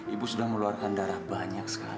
ibu sudah mengeluarkan darah banyak sekali